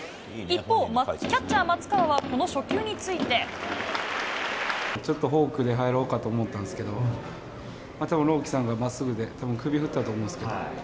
一方、キャッチャー、ちょっとフォークで入ろうかと思ったんですけど、たぶん朗希さんがまっすぐでたぶん首振ったと思うんですけど。